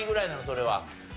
それは。